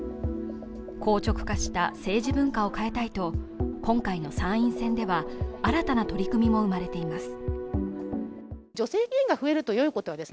硬直化した政治文化を変えたいと今回の参院選では新たな取り組みも生まれています